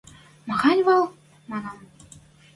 – Махань вӓл? – манам.